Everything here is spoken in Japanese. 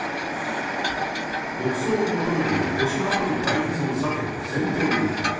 国葬を求める保守派との対立を避けて先手を打った。